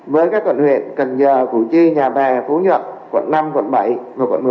với các quận huyện cần giờ phủ chi nhà bè phú nhật quận năm quận bảy quận một mươi một